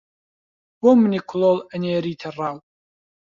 بۆ منی کڵۆڵ ئەنێریتە ڕاو